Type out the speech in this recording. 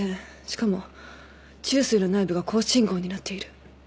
しかも虫垂の内部が高信号になっている。